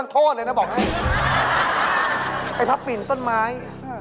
มาก่อนไม่เห็นมีอีกเลย